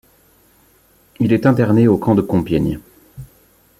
Il est interné au camp de Compiègne.